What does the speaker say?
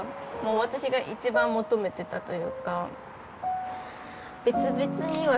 私が一番求めてたというか。